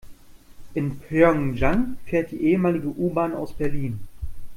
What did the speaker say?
In Pjöngjang fährt die ehemalige U-Bahn aus Berlin.